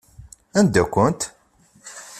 Anda-kent?